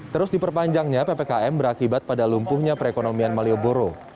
terus diperpanjangnya ppkm berakibat pada lumpuhnya perekonomian malioboro